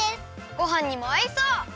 ごはんにもあいそう！